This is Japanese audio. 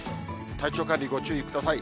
体調管理、ご注意ください。